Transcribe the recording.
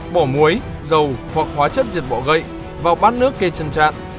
bỏ muối dầu hoặc hóa chất diệt bọ gậy vào bát nước kê chân trạn